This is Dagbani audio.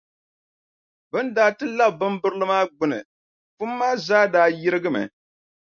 Bɛ ni daa ti labi bimbirili maa gbuni, pum maa zaa daa yirigimi.